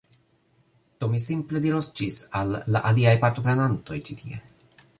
Do, mi simple diros ĝis al la aliaj partoprenantoj ĉi tie